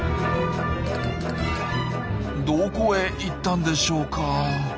どこへ行ったんでしょうか？